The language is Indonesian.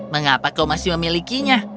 mengapa kau masih memilikinya